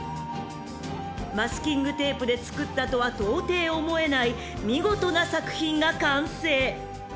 ［マスキングテープで作ったとはとうてい思えない見事な作品が完成］